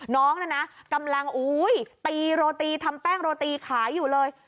น้องน่ะนะกำลังตีโรตีทำแป้งโรตีขายอยู่เลย